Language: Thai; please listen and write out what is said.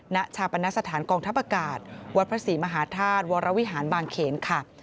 ณชาปนสถานกองทัพอากาศวัดพระศรีมหาธาตุวรวิหารบางเขนค่ะ